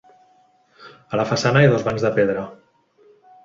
A la façana hi ha dos bancs de pedra.